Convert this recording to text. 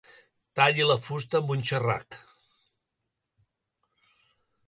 Talli la fusta amb un xerrac.